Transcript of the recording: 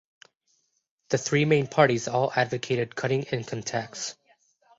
The three main parties all advocated cutting income tax.